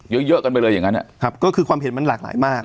เยอะเยอะกันไปเลยอย่างนั้นอ่ะครับก็คือความเห็นมันหลากหลายมาก